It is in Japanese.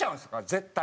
絶対。